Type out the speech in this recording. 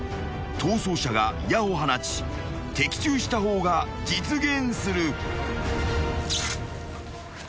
［逃走者が矢を放ち的中した方が実現する］